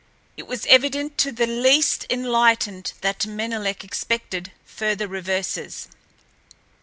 It was evident to the least enlightened that Menelek expected further reverses.